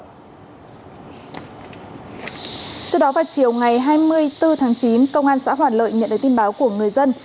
trước đó vào chiều ngày hai mươi bốn tháng chín công an xã hoàn lợi nhận được tin báo của người dân